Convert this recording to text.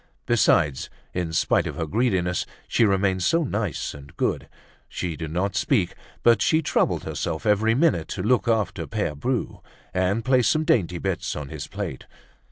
Besides, in spite of her greediness, she remained so nice and good! She did not speak, but she troubled herself every minute to look after Pere Bru, and place some dainty bit on his plate.